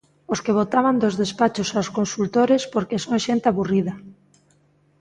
Os que botaban dos despachos aos consultores porque son xente aburrida.